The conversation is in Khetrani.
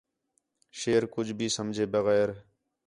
شیر کُج بھی سمجھے بغیر